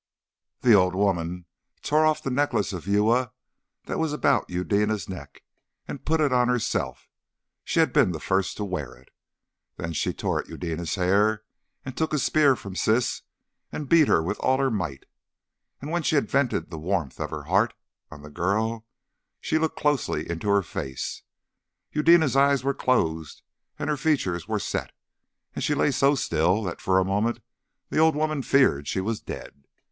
The old woman tore off the necklace of Uya that was about Eudena's neck, and put it on herself she had been the first to wear it. Then she tore at Eudena's hair, and took a spear from Siss and beat her with all her might. And when she had vented the warmth of her heart on the girl she looked closely into her face. Eudena's eyes were closed and her features were set, and she lay so still that for a moment the old woman feared she was dead.